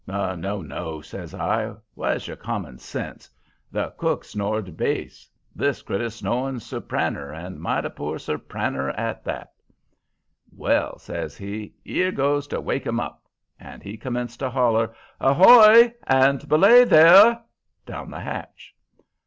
"'No, no!' says I. 'Where's your common sense? The cook snored bass; this critter's snoring suppraner, and mighty poor suppraner at that.' "'Well,' says he, ''ere goes to wake 'im hup!' And he commenced to holler, 'Ahoy!' and 'Belay, there!' down the hatch.